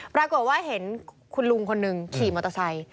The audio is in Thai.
ปรากฏว่าเห็นคุณลุงคนหนึ่งขี่มอเตอร์ไซค์